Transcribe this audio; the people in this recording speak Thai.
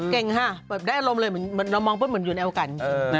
เก่งค่ะได้อารมณ์เลยเรามองพวกมันอยู่ในโอกาสจริง